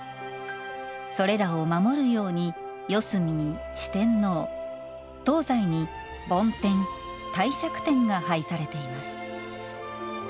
それらを守るように四隅に四天王東西に梵天、帝釈天が配されています。